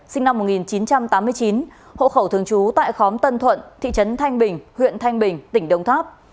sinh năm một nghìn chín trăm tám mươi chín hộ khẩu thường trú tại khóm tân thuận thị trấn thanh bình huyện thanh bình tỉnh đồng tháp